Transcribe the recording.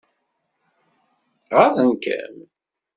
Ɣaḍen-kem?